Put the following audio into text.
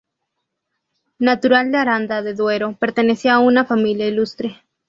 Natural de Aranda de Duero, pertenecía a una familia ilustre.